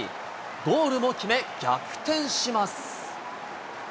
ゴールも決め、逆転します。